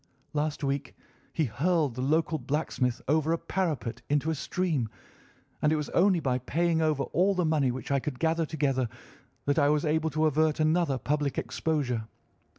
"Last week he hurled the local blacksmith over a parapet into a stream, and it was only by paying over all the money which I could gather together that I was able to avert another public exposure.